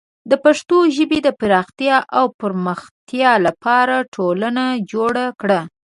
د پښتو ژبې د پراختیا او پرمختیا لپاره ټولنه جوړه کړه.